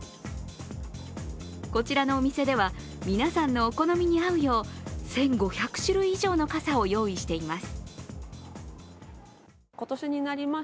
こちらのお店では、皆さんのお好みに合うよう１５００種類以上の傘を用意しています。